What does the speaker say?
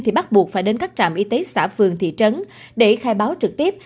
thì bắt buộc phải đến các trạm y tế xã phường thị trấn để khai báo trực tiếp